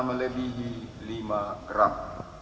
melebihi lima gram